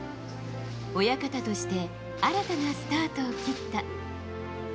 親方として新たなスタートを切った。